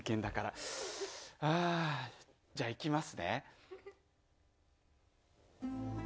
じゃいきますね。